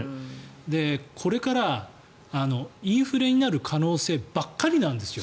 これからインフレになる可能性ばかりなんですよ